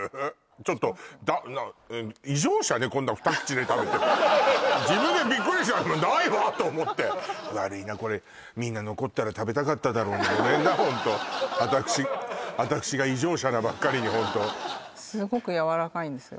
ちょっと自分でビックリしちゃうもんないわ！と思って悪いなこれみんな残ったら食べたかっただろうにごめんな私私が異常者なばっかりにホントすごくやわらかいんですよ